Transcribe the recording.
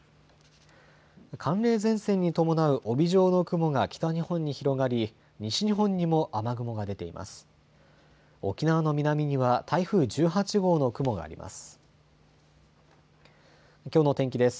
寒冷前線に伴う帯状の雲が北日本に広がり西日本にも雨雲が出ています。